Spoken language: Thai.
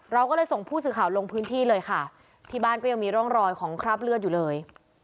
เราก็เลยส่งผู้สื่อข่าวลงพื้นที่เลยค่ะที่บ้านก็ยังมีร่องรอยของคราบเลือดอยู่เลย